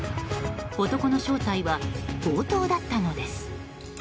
男の正体は強盗だったのです。